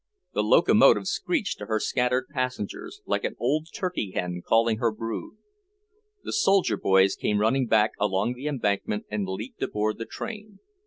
The locomotive screeched to her scattered passengers, like an old turkey hen calling her brood. The soldier boys came running back along the embankment and leaped aboard the train.